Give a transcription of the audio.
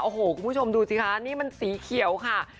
โอ้โหคุณผู้ชมดูสิคะนี่มันสีเขียวค่ะ